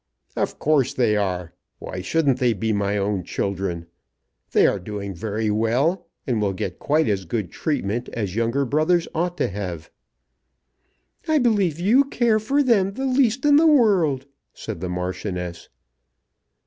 "Of course they are. Why shouldn't they be my own children? They are doing very well, and will get quite as good treatment as younger brothers ought to have." "I don't believe you care for them the least in the world," said the Marchioness.